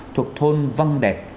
thuộc thôn văn đẹp